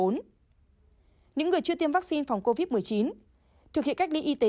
những người chưa tiêm vaccine phòng covid một mươi chín thực hiện cách ly y tế